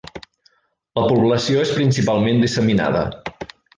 La població és principalment disseminada.